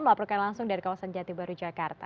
melaporkan langsung dari kawasan jatibaru jakarta